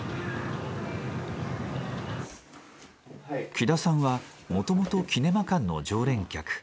喜田さんはもともとキネマ館の常連客。